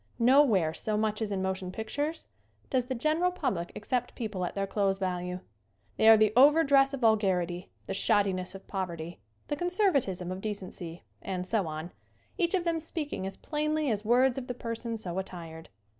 No where so much as in motion pictures does the general public accept people at their clothes value. There are the over dress of vulgarity, the shoddiness of poverty, the conservatism of decency and so on, each of them speaking as plainly as words of the person so attired.